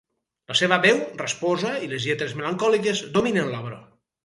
La seva veu rasposa i les lletres melancòliques dominen l'obra.